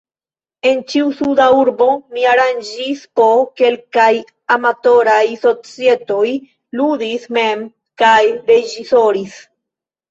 En ĉiu suda urbo mi aranĝis po kelkaj amatoraj societoj, ludis mem kaj reĝisoris.